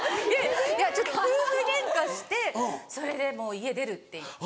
夫婦ゲンカしてそれでもう家出るって言って。